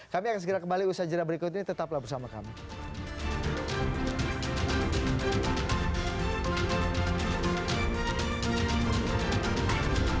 kami akan segera kembali usaha jadwal berikut ini tetaplah bersama kami